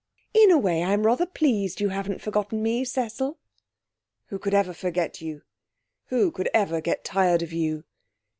In a way I'm rather pleased you haven't forgotten me, Cecil.' 'Who could ever forget you? Who could ever get tired of you?'